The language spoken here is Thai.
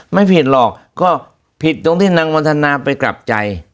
ไม่ผิดหรอกก็ผิดตรงที่นางวันธนาไปกลับใจ